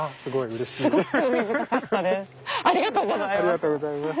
ありがとうございます。